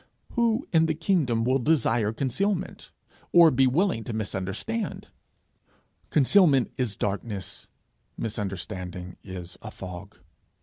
Who in the kingdom will desire concealment, or be willing to misunderstand? Concealment is darkness; misunderstanding is a fog.